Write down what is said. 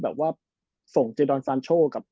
แบบว่าส่งเจดอนซานโชคกับ